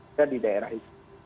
kita di daerah itu